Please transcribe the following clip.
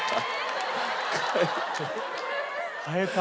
変えた！？